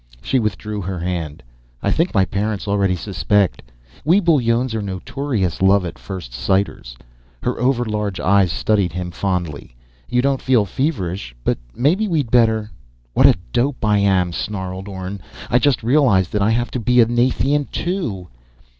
She withdrew her hand. "I think my parents already suspect. We Bullones are notorious love at first sighters." Her overlarge eyes studied him fondly. "You don't feel feverish, but maybe we'd better " "What a dope I am!" snarled Orne. "I just realized that I have to be a Nathian, too."